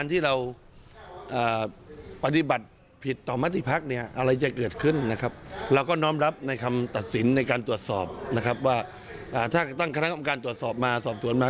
ถ้าตั้งคณะกรรมการตรวจสอบมาสอบสวนมา